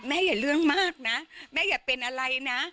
อย่าเรื่องมากนะแม่อย่าเป็นอะไรนะ